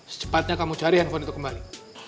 secepatnya kamu cari handphone itu kembali